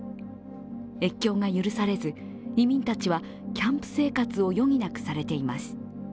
越境が許されず、移民たちはキャンプ生活を余儀なくされています。